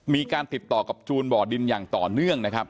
มีการติดต่อกับจูนบ่อดินอย่างต่อเนื่องนะครับ